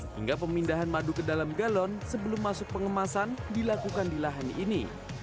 hingga pemindahan madu ke dalam galon sebelum masuk pengemasan dilakukan di lahan ini